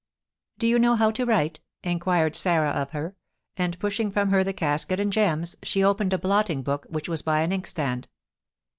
"Do you know how to write?" inquired Sarah of her; and, pushing from her the casket and gems, she opened a blotting book, which was by an inkstand.